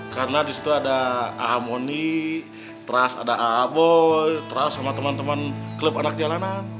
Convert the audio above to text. karena di situ ada ahamoni terus ada abo terus sama teman teman klub anak jalanan